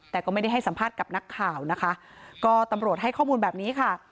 แต่ก็ไม่ได้ให้สัมภาษณ์กับนักข่าวนะคะก็ตำรวจให้ข้อมูลแบบนี้ค่ะ